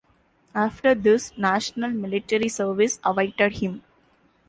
After this, national military service awaited him.